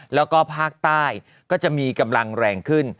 แล้วก็ภาคใต้ก็จะมีกำลังแรงขึ้น